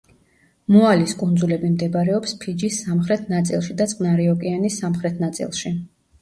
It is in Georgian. მოალის კუნძულები მდებარეობს ფიჯის სამხრეთ ნაწილში და წყნარი ოკეანის სამხრეთ ნაწილში.